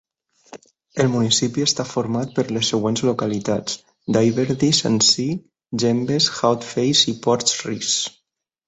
El municipi està format per les següents localitats: Daverdisse en si, Gembes, Haut-Fays i Porcheresse.